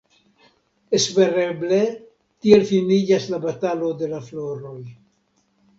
Espereble tiel finiĝas la batalo de la floroj.